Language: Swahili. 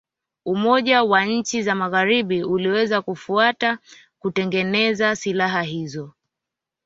Umoja wa nchi za Magharibi uliweza kufuata kutengeneza silaha hizo